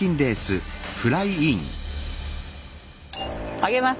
揚げます。